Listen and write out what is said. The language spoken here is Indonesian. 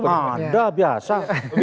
tidak ada biasa